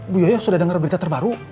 bu yaya sudah dengar berita terbaru